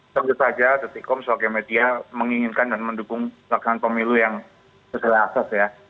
sebut saja detik komisio media menginginkan dan mendukung laksan pemilu yang sesuai asas ya